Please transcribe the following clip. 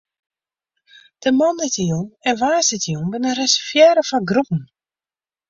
De moandeitejûn en woansdeitejûn binne reservearre foar groepen.